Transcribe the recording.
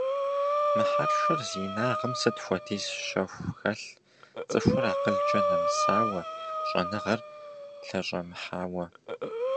Мы хьэршыр зи инагъым сыт хуэдиз щэху хэлъ, цӀыхур акъылкӀэ нэмысауэ, щӀэныгъэр лъэщӀэмыхьауэ!